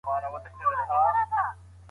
اقتصادي مرسته د هر چا دنده ده.